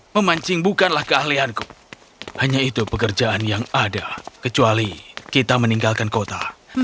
baiklah kita meninggalkan kota